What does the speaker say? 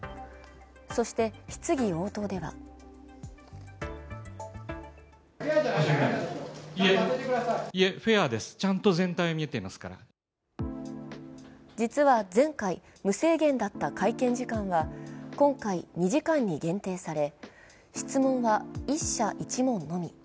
そして質疑応答では実は前回、無制限だった会見時間は今回、２時間に限定され質問は１社１問のみ。